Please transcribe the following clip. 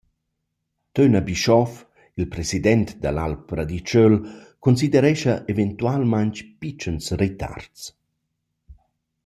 Töna Bischoff, il president da l’Alp Praditschöl, considerescha eventualmaing pitschens retards.